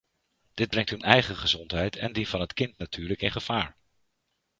Dit brengt hun eigen gezondheid en die van het kind natuurlijk in gevaar.